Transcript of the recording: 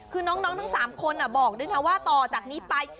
คือน้องทั้ง๓คนบอกด้วยนะว่าต่อจากนี้ไป